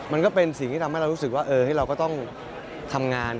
มันก็เป็นสิ่งที่ทำให้เรารู้สึกว่าเราก็ต้องทำงาน